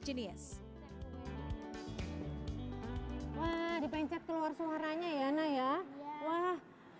jenis di pencet keluar suaranya ya nah ya wah